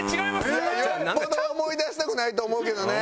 よっぽど思い出したくないと思うけどね。